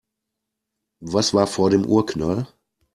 Was war vor dem Urknall?